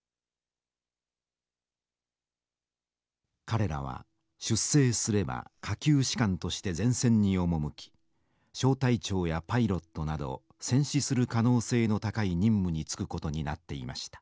彼らは出征すれば下級士官として前線に赴き小隊長やパイロットなど戦死する可能性の高い任務に就くことになっていました。